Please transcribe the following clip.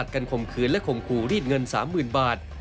กันคมคืนและคมคูรีดเงิน๓๐๐๐๐บาท